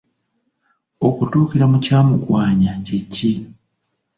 Okutuukira mu kya Mugwanya kye ki?